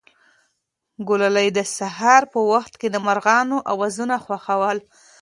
ګلالۍ د سهار په وخت کې د مرغانو اوازونه خوښول.